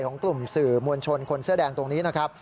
ของกลุ่มสื่อมวลชนคนเสื้อแดงตรงนี้นะครับ